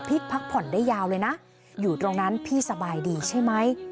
พักผ่อนได้ยาวเลยนะอยู่ตรงนั้นพี่สบายดีใช่ไหม